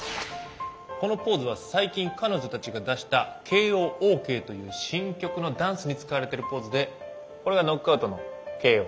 このポーズは最近彼女たちが出した「ＫＯ／ＯＫ」という新曲のダンスに使われているポーズでこれがノックアウトのＫＯ